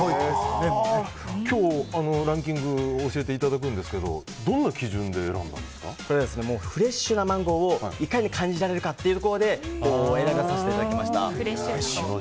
今日、ランキング教えていただくんですけどフレッシュなマンゴーをいかに感じられるかというところで選ばさせていただきました。